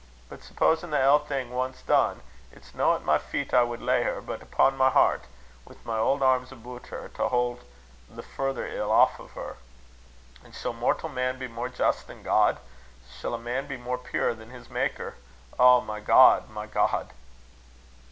But supposin' the ill thing ance dune, it's no at my feet I wad lay her, but upo' my heart, wi' my auld arms aboot her, to hand the further ill aff o' her. An' shall mortal man be more just than God? Shall a man be more pure than his Maker? O my God! my God!"